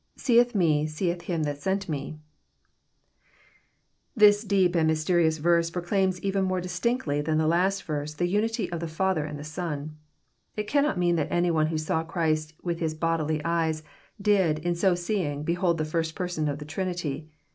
8eeth me seeth him that sent me,"} This deep and mysterious verse proclaims even more distinctly than the last verse the unity of the Father and the Son. It cannot mean that any one who saw Christ with his bodily eyes, did, in so seeing, behold the First Person in the Trinity.